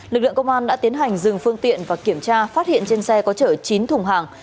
lực lượng công an đã tiến hành dừng phương tiện và kiểm tra phát hiện trên xe có chở chín thùng hàng